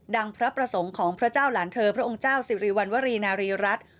พระประสงค์ของพระเจ้าหลานเธอพระองค์เจ้าสิริวัณวรีนารีรัฐ